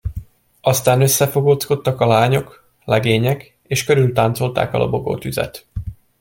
Aztán összefogózkodtak a lányok, legények, és körültáncolták a lobogó tüzet.